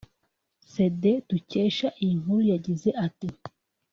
cd dukesha iyi nkuru yagize ati